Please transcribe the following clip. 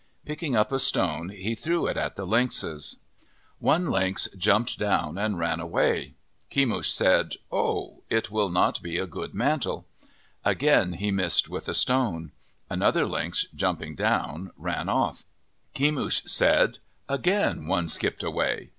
Picking up a stone, he threw it at the lynxes. One lynx jumped down and ran away. Kemush said, " Oh ! it will not be a good mantle." Again he missed with a stone. Another lynx, jumping down, ran off. Kemush said, " Again one skipped away.